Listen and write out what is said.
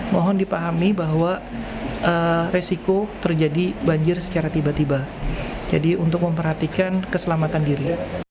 mohon dipahami bahwa resiko terjadi banjir secara tiba tiba jadi untuk memperhatikan keselamatan diri